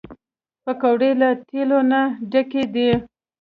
پکورې له تیلو نه ډکې دي